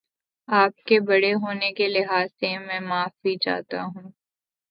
آپ کے بڑے ہونے کے لحاظ سے میں معافی چاہتا ہوں